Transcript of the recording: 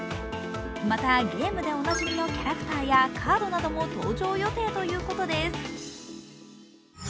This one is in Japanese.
また、ゲームでおなじみのキャラクターやカードなども登場予定ということです。